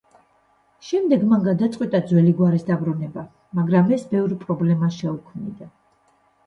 შემდეგ მან გადაწყვიტა ძველი გვარის დაბრუნება, მაგრამ ეს ბევრ პრობლემას შეუქმნიდა.